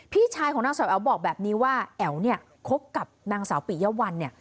พี่ชายของนางสาวแอ๋วบอกแบบนี้ว่าแอ๋วเนี่ยคบกับนางสาวปิยะวันเนี่ย